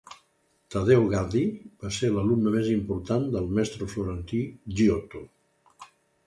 Taddeo Gaddi va ser l'alumne més important del mestre florentí Giotto.